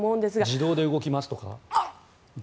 自動で動きますとか？